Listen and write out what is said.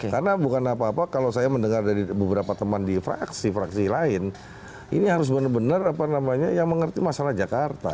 karena bukan apa apa kalau saya mendengar dari beberapa teman di fraksi fraksi lain ini harus benar benar yang mengerti masalah jakarta